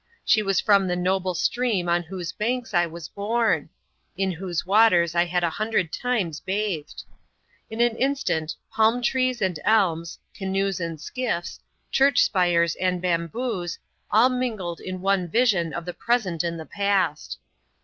She was from the noble stream on whose banks I was born ; in whose waters I had a hundred times bathed. In an instant, palm trees and elms — canoes and skifb :— church spires and bamboos — all minged in one vision ci the present and the past.